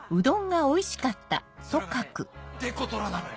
デコトラなのよ。